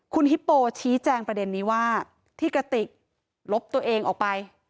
คุณฮิปโปชี้แจงประเด็นนี้ว่าที่กระติกลบตัวเองออกไป